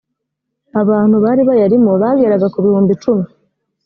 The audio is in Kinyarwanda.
abantu bari bayarimo bageraga ku bihumbi icumi